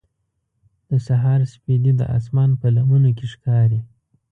د سهار سپېدې د اسمان په لمنو کې ښکاري.